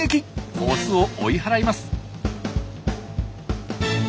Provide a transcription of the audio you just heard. オスを追い払います。